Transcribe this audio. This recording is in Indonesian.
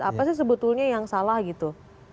apa sih sebetulnya yang salah gitu